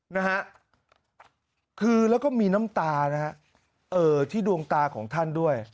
นะฮะคือแล้วก็มีน้ำตานะฮะเอ่อที่ดวงตาของท่านด้วย